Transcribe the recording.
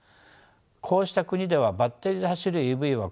こうした国ではバッテリーで走るＥＶは好都合です。